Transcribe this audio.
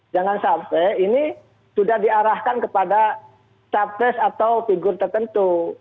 jangan sampai ini sudah diarahkan kepada capres atau figur tertentu